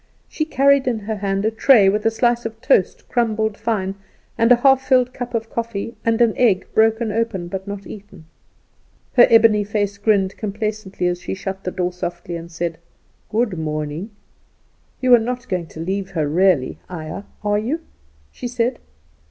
She carried in her hand a tray, with a slice of toast crumbled fine, and a half filled cup of coffee, and an egg broken open, but not eaten. Her ebony face grinned complacently as she shut the door softly and said, "Good morning." The landlady began to talk to her. "You are not going to leave her really, Ayah, are you?" she said.